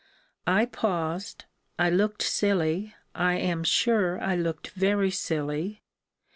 I paused, I looked silly I am sure I looked very silly.